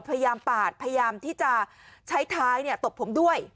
พยายามปาดพยายามที่จะใช้ท้ายเนี่ยตบผมด้วย